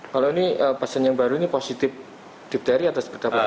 kalau ini pasien yang baru ini positif difteri atau sepertinya